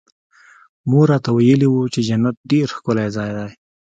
مور راته ويلي وو چې جنت ډېر ښکلى ځاى دى.